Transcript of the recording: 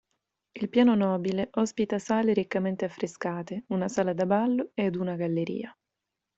Il piano nobile ospita sale riccamente affrescate, una sala da ballo ed una galleria.